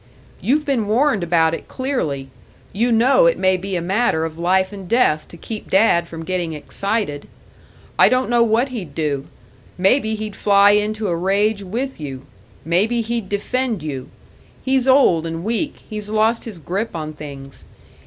You've been warned about it clearly; you know it may be a matter of life and death to keep Dad from getting excited. I don't know what he'd do; maybe he'd fly into a rage with you, maybe he'd defend you. He's old and weak, he's lost his grip on things.